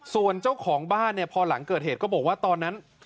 ส่วนเจ้าของบ้านเนี่ยพอหลังเกิดเหตุก็บอกว่าตอนนั้น